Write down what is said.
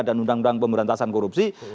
dan undang undang pemberantasan korupsi